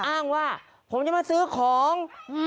อ้างว่าผมจะมาซื้อของ